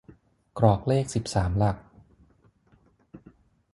กรอกเลขสิบสามหลัก